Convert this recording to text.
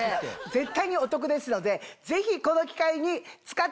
絶対にお得ですのでぜひこの機会に使ってみてください。